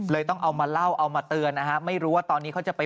ต้องเอามาเล่าเอามาเตือนนะฮะไม่รู้ว่าตอนนี้เขาจะไป